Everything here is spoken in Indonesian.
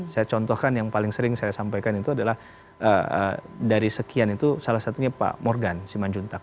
saya contohkan yang paling sering saya sampaikan itu adalah dari sekian itu salah satunya pak morgan simanjuntak